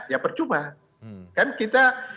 ya percuba kan kita